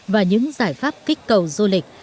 và những giải pháp kích cầu du lịch